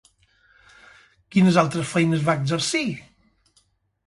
Quines altres feines va exercir?